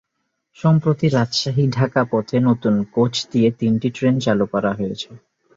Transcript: সম্প্রতি রাজশাহী-ঢাকা পথে নতুন কোচ দিয়ে তিনটি ট্রেন চালু করা হয়েছে।